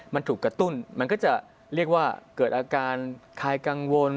มันถูกกระตุ้นมันก็จะเรียกว่าเกิดอาการคลายกังวล